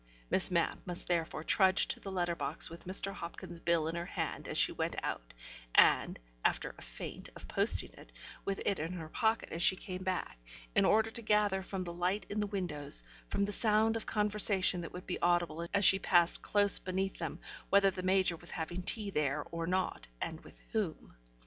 Miss Mapp must therefore trudge to the letter box with Mr. Hopkins's bill in her hand as she went out, and (after a feint of posting it) with it in her pocket as she came back, in order to gather from the light in the windows, from the sound of conversation that would be audible as she passed close beneath them, whether the Major was having tea there or not, and with whom.